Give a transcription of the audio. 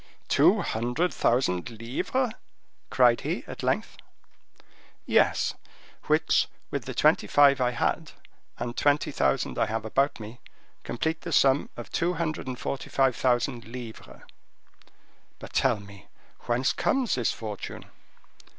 "Two hundred thousand livres!" cried he, at length. "Yes; which, with the twenty five I had, and twenty thousand I have about me, complete the sum of two hundred and forty five thousand livres." "But tell me, whence comes this fortune?"